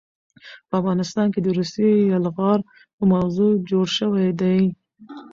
په افغانستان د روسي يلغار په موضوع جوړ شوے دے